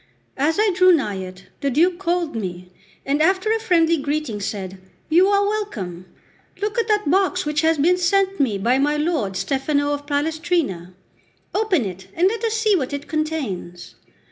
As I drew nigh it, the Duke called me, and after a friendly greeting said: "You are welcome! Look at that box which has been sent me by my lord Stefano of Palestrina. Open it, and let us see what it contains."